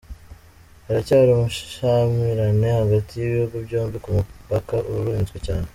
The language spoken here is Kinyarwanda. Haracyari ubushyamirane hagati y'ibihugu byombi ku mupaka urinzwe cyane.